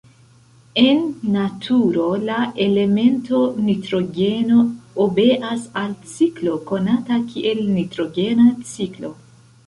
En naturo, la elemento nitrogeno obeas al ciklo konata kiel nitrogena ciklo.